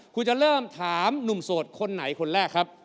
คุณจะเริ่มถามหนุ่มโสดคนไหนคนแรกครับ